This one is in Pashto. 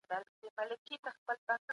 د څېړنې پر مهال بې طرفه پاتې سئ.